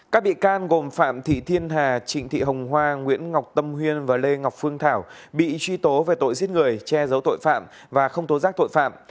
các bị can gồm phạm thị thiên hà trịnh thị hồng hoa nguyễn ngọc tâm huyên và lê ngọc phương thảo bị truy tố về tội giết người che giấu tội phạm và không tố giác tội phạm